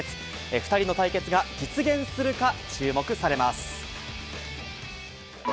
２人の対決が実現するか注目されます。